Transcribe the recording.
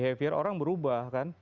behavior orang berubah kan